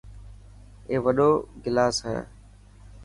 اي وڏو گلاس هي.